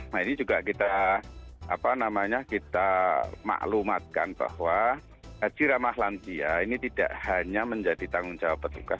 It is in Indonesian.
nah ini juga kita maklumatkan bahwa haji ramah lansia ini tidak hanya menjadi tanggung jawab petugas